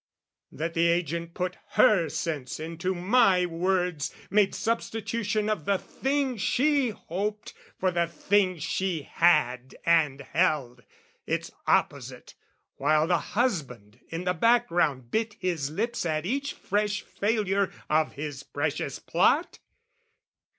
That the agent put her sense into my words, Made substitution of the thing she hoped, For the thing she had and held, its opposite, While the husband in the background bit his lips At each fresh failure of his precious plot?